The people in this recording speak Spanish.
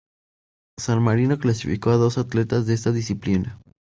San Marino clasificó a dos atletas en esta disciplina.